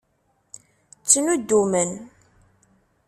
Ttnuddumen.